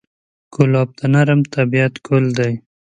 ګلاب د نرم طبعیت ګل دی.